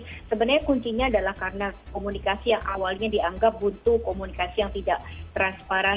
jadi sebenarnya kuncinya adalah karena komunikasi yang awalnya dianggap untuk komunikasi yang tidak transparan